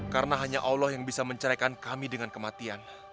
karena hanya allah yang bisa menceraikan kami dengan kematian